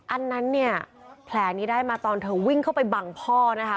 อันนั้นเนี่ยแผลนี้ได้มาตอนเธอวิ่งเข้าไปบังพ่อนะคะ